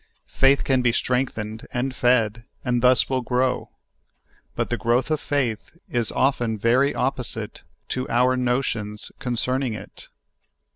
Faith can be strengthened, and fed, and thus will grow ; but the growth of faith is often ver}' opposite to our notions concerning it.